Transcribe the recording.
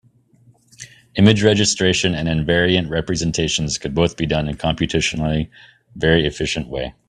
Image registration and invariant representations could both be done in a computationally very efficient way.